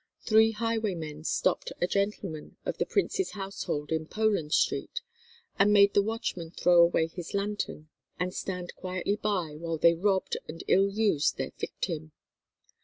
Three highwaymen stopped a gentleman of the prince's household in Poland Street, and made the watchman throw away his lantern and stand quietly by while they robbed and ill used their victim.